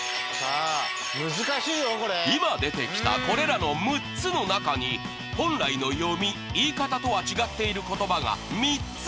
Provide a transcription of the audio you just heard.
今出てきたこれらの６つの中に本来の読み・言い方とは違っている言葉が３つあります。